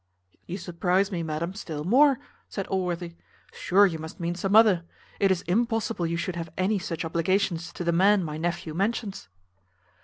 "You surprize me, madam, still more," said Allworthy; "sure you must mean some other. It is impossible you should have any such obligations to the man my nephew mentions."